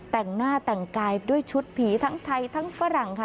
แต่งหน้าแต่งกายด้วยชุดผีทั้งไทยทั้งฝรั่งค่ะ